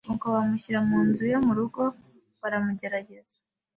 Nuko bamushyira mu nzu yo mu rugo baramugerageza